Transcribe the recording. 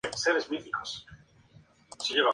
Alrededor de los cuatro años se declaró gay.